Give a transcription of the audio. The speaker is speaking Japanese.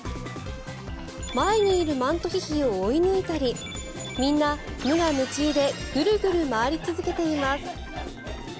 前にいるマントヒヒを追い抜いたりみんな無我夢中でグルグル回り続けています。